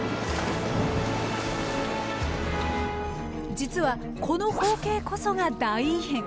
実はこの光景こそが大異変。